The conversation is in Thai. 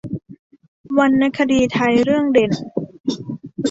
วรรณคดีไทยเรื่องเด่น